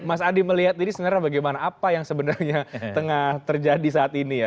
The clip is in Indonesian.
mas adi melihat ini sebenarnya bagaimana apa yang sebenarnya tengah terjadi saat ini ya